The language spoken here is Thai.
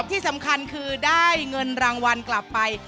ที่สำคัญคือได้เงินรางวัลกลับไป